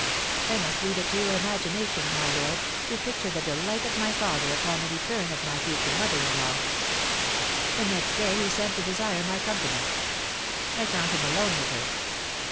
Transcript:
I must leave it to your imagination, my lord, to picture the delight of my father upon the return of my future mother in law. The next day he sent to desire my company; I found him alone with her.